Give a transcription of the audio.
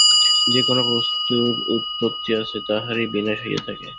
যে-কোন বস্তুর উৎপত্তি আছে, তাহারই বিনাশ হইয়া থাকে।